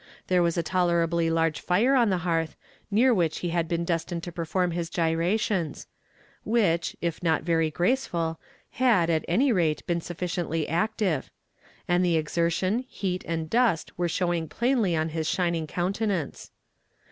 There was a tolerably large fire on the hearth, near which he had been destined to perform his gyrations which, if not very graceful, had, at any rate, been sufficiently active; and the exertion, heat, and dust were showing plainly on his shining countenance.